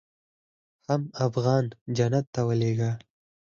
حم افغان جنت ته ولېږه.